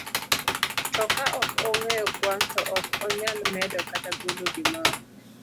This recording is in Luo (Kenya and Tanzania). To ka ok ong'eyo kwan, to ok onyal medo kata golo gimoro.